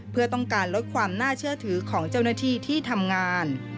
เพื่อต้องการลดความน่าเชื่อถือของเจ้าหน้าที่ที่ทำงาน